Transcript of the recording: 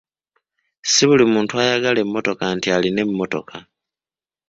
Ssi buli muntu ayagala emmotoka nti alina emmotoka.